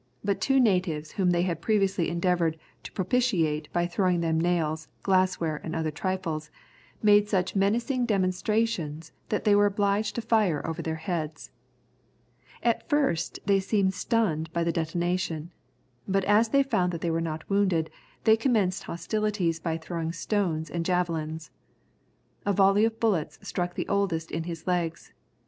But two natives whom they had previously endeavoured to propitiate by throwing them nails, glassware, and other trifles, made such menacing demonstrations, that they were obliged to fire over their heads. At first they seemed stunned by the detonation, but as they found that they were not wounded, they commenced hostilities by throwing stones and javelins. A volley of bullets struck the oldest in his legs.